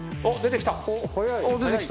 おっ出てきた。